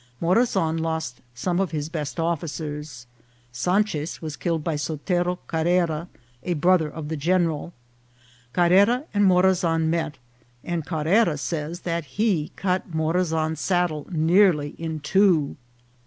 Morazan lost some of his best officers. Sanches was killed by Sotero Carrera, a brother of the general. Carrera and Mora zan met, and Carrera says that he cut Morazan's sad dle nearly in two.